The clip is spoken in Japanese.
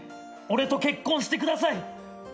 俺と結婚してください。